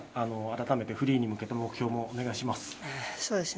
改めてフリーに向けて目標もお願いします。